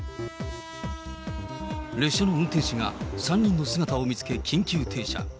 列車の運転士が３人の姿を見つけ、緊急停車。